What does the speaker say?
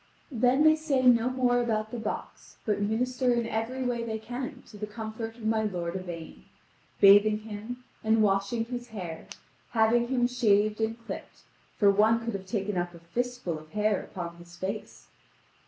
Then they say no more about the box, but minister in every way they can to the comfort of my lord Yvain, bathing him and washing his hair, having him shaved and clipped, for one could have taken up a fist full of hair upon his face.